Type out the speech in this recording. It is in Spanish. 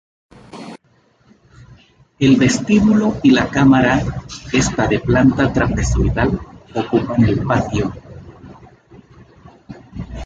El vestíbulo y la cámara, esta de planta trapezoidal, ocupan el patio.